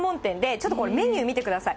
ちょっとメニュー見てください。